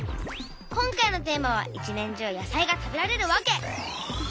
今回のテーマは「一年中野菜が食べられるわけ」。